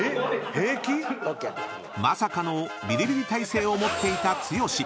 平気⁉［まさかのビリビリ耐性を持っていた剛］